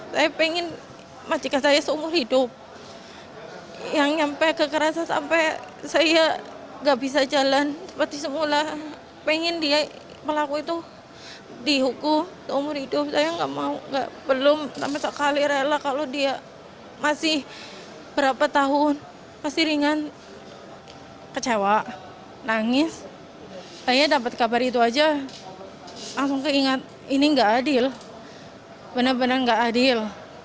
saya tersangis saya dapat kabar itu saja langsung keingat ini tidak adil benar benar tidak adil